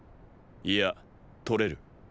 いや取れる。